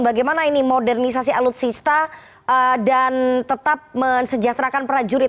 bagaimana ini modernisasi alutsista dan tetap mensejahterakan prajurit